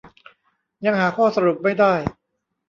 ยังหาข้อสรุปไม่ได้